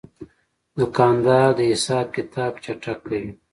دوکاندار د حساب کتاب چټک کوي.